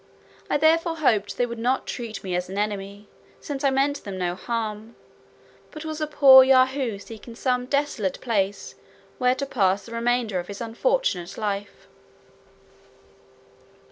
I therefore hoped they would not treat me as an enemy, since I meant them no harm, but was a poor Yahoo seeking some desolate place where to pass the remainder of his unfortunate life."